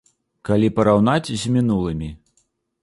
Калі параўнаць з мінулымі.